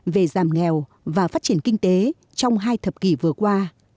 về giảm nghèo và phát triển kinh tế trong hai thập kỷ vừa qua